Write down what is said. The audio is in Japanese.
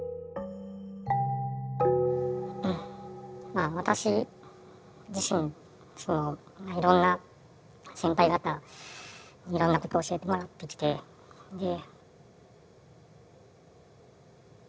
まあ私自身そのいろんな先輩方いろんなこと教えてもらってきてで。